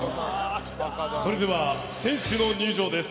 それでは選手の入場です。